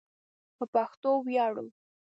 په پښتو ویاړو